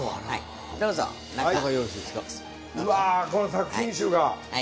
作品集が。